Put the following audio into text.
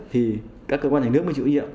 thì các cơ quan nhà nước mới chịu nhiệm